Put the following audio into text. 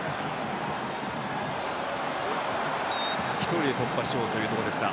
１人突破しようというところでした。